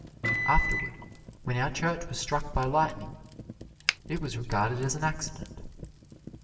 Afterward, when our church was struck by lightning, it was regarded as an accident.